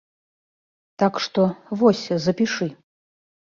Так што, вось запішы.